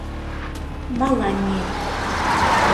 Маланьи.